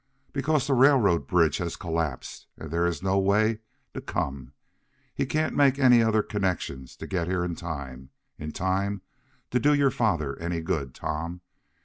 "Because the railroad bridge has collapsed, and there is no way to come. He can't make any other connections to get here in time in time to do your father any good, Tom.